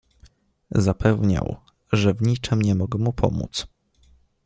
"Zapewniał, że w niczem nie mogę mu pomóc."